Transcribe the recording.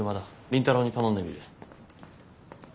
倫太郎に頼んでみる。